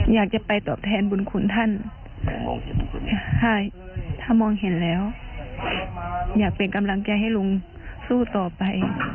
อยากจะไปตอบแทนบุญคุณท่านถ้ามองเห็นแล้วอยากเป็นกำลังใจให้ลุงสู้ต่อไป